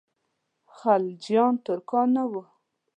خلجیان ترکان نه ول.